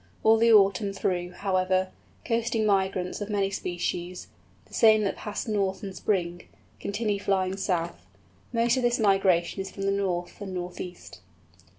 All the autumn through, however, coasting migrants of many species—the same that passed north in spring—continue flying south. Most of this migration is from the north and north east.